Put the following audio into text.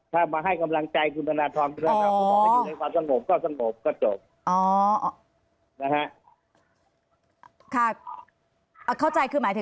ถ้ามากำลังใจคุณธนาทรประตูก็จบ